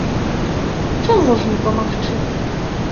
Чаму ж не памагчы?